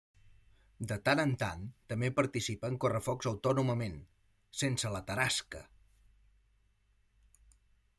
De tant en tant, també participa en correfocs autònomament, sense la Tarasca.